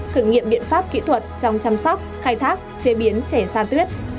thử nghiệm biện pháp kỹ thuật trong chăm sóc khai thác chế biến trẻ san tuyết